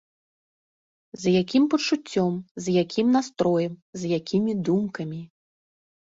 З якім пачуццём, з якім настроем, з якімі думкамі.